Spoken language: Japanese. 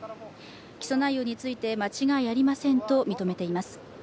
起訴内容について間違いありませんと認めています。